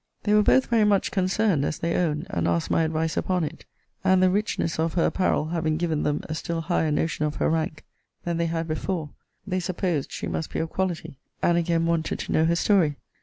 They were both very much concerned, as they owned; and asked my advice upon it: and the richness of her apparel having given them a still higher notion of her rank than they had before, they supposed she must be of quality; and again wanted to know her story.